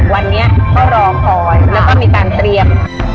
วันนี้เขารอคอยแล้วก็มีการเตรียม